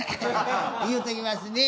言うときますね。